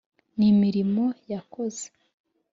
n’imirimo yakoze